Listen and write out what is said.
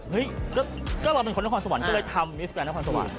เฮ้ยก็เราเป็นคนด้านความสวรรค์ก็เลยทำมิสแฟนด้านความสวรรค์